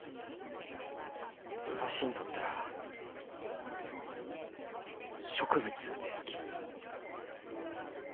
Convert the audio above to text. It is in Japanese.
わしにとったら植物ですき。